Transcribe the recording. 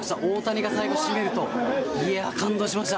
大谷が最後締めると感動しました。